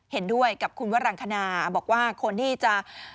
เห็นด้วยกับคุณวรังคณาบอกว่าคนที่จะ